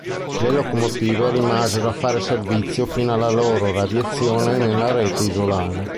Le locomotive rimasero a fare servizio fino alla loro radiazione nella rete isolana.